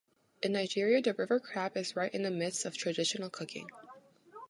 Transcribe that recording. In Nigeria, the river crab is right in the midst of traditional cooking.